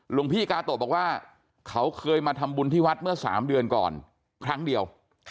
หลวงพี่กาโตะบอกว่าเขาเคยมาทำบุญที่วัดเมื่อ๓เดือนก่อนครั้งเดียว